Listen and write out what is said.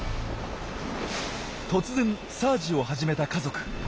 突然サージを始めた家族。